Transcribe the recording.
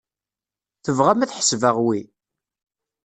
Tebɣam ad ḥesbeɣ wi?